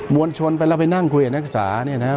มวลชนไปแล้วไปนั่งคุยกับนักศึกษา